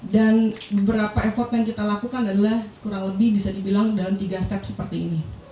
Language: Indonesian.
dan beberapa effort yang kita lakukan adalah kurang lebih bisa dibilang dalam tiga step seperti ini